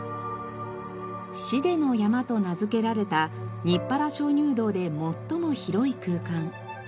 死出の山と名付けられた日原鍾乳洞で最も広い空間。